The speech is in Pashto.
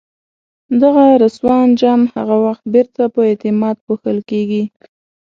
دغه رسوا انجام هغه وخت بیرته په اعتماد پوښل کېږي.